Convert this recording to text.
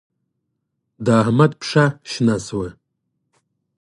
د احمد پښه شنه شوه.